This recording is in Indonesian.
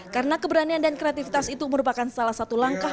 karena keberanian dan kreatifitas itu merupakan salah satu langkah